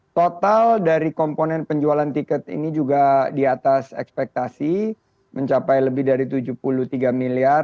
total dari komponen penjualan tiket ini juga di atas ekspektasi mencapai lebih dari tujuh puluh tiga miliar